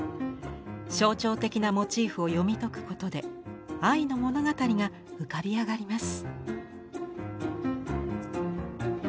象徴的なモチーフを読み解くことで愛の物語が浮かび上がります。